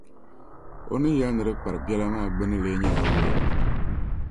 O ni yɛli ni di kpari biɛla maa gbinni lee nyɛla wula?